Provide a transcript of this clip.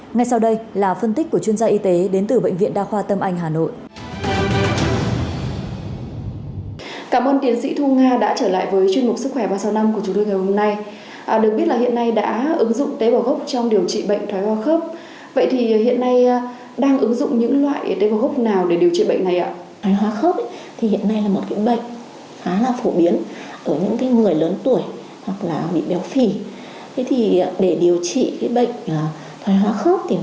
ngay sau đây là phân tích của chuyên gia y tế đến từ bệnh viện đa khoa tâm anh hà nội